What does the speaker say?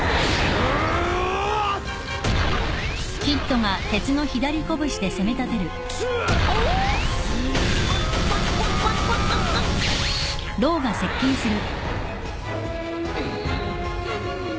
うう。